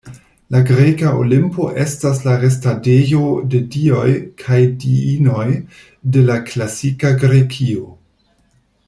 La greka Olimpo estas la restadejo de dioj kaj diinoj de la klasika Grekio.